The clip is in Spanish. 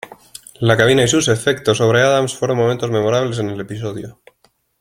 La cabina y sus efectos sobre Adams fueron momentos memorables en el episodio.